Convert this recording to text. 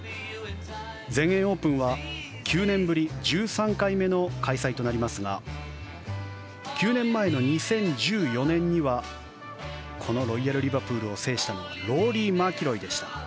全英オープンは９年ぶり１３回目の開催となりますが９年前の２０１４年にはこのロイヤル・リバプールを制したのがローリー・マキロイでした。